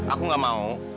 aku nggak mau